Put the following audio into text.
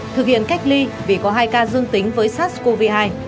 thực hiện cách ly vì có hai ca dương tính với sars cov hai